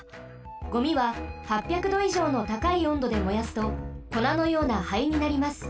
ゴミは８００どいじょうのたかいおんどで燃やすとこなのような灰になります。